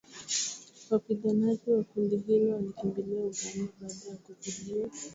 Wapiganaji wa kundi hilo walikimbilia Uganda baada ya kuzidiwa na